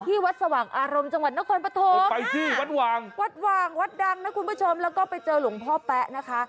ที่วัดสว่างอารมณ์จังหวัดนครปฐงอ่าวัดว่างวัดดังแล้วก็ไปเจอหลู่พ่อแป๊ะนะคะ